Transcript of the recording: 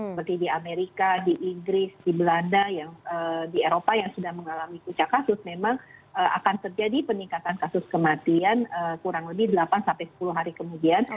seperti di amerika di inggris di belanda di eropa yang sudah mengalami puncak kasus memang akan terjadi peningkatan kasus kematian kurang lebih delapan sampai sepuluh hari kemudian